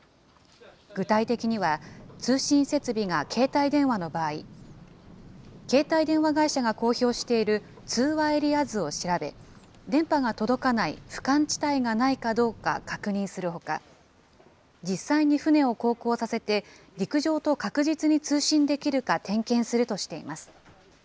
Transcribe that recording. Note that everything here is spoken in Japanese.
具体的には、通信設備が携帯電話の場合、携帯電話会社が公表している通話エリア図を調べ、電波が届かない不感地帯がないかどうか確認するほか、実際に船を航行させて、陸上と確実に通信できるか点検するとしています。